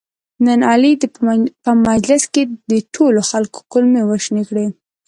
نن علي په مجلس کې د ټولو خلکو کولمې ورشنې کړلې.